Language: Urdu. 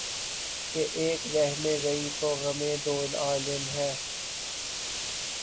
کہ ایک وہمِ ضعیف و غمِ دوعالم ہے